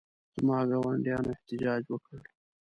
زما ګاونډیانو احتجاج وکړ.